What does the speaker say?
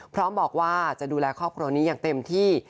พร้อมบอกว่าจะดูแลครอบครัวนี้อย่างเต็มที่